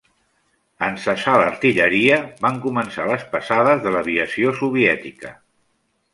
En cessar l'artilleria, van començar les passades de l'aviació soviètica.